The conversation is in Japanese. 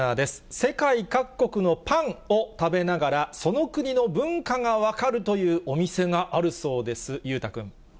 世界各国のパンを食べながら、その国の文化が分かるというお店があるそうです。